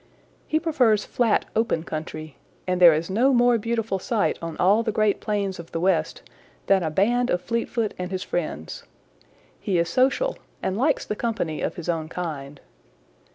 He prefers flat open country, and there is no more beautiful sight on all the great plains of the West than a band of Fleetfoot and his friends. He is social and likes the company of his own kind.